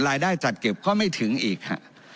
รายได้จัดเก็บก็ไม่ถึงอีกฮะ